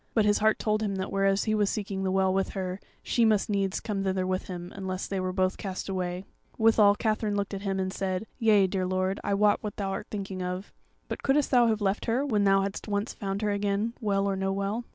But his heart told him that whereas he was seeking the Well with her, she must needs come thither with him, unless they were both cast away; withal Katherine looked at him and said: "Yea, dear lord, I wot what thou art thinking of; but couldest thou have left her, when thou hadst once found her again, Well or no Well?"